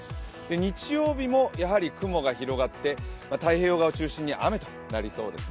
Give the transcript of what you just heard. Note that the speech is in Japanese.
日曜日も雲が広がって、太平洋側を中心に雨となりそうですね。